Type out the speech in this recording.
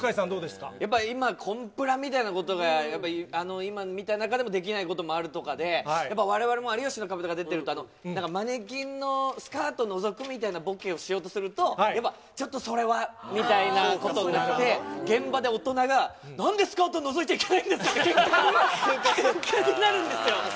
やっぱり今、コンプラみたいなことが、やっぱり今、見た中でもできないこともあるとかで、やっぱわれわれも有吉の壁とか出てると、マネキンのスカートのぞくみたいなボケをしようとすると、やっぱ、ちょっとそれはみたいなことになって、現場で大人がなんでスカートのぞいちゃいけないんですか！ってけんかになるんですよ。